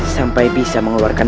sampai bisa mengeluarkan